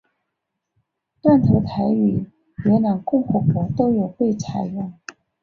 断头台于越南共和国都有被采用。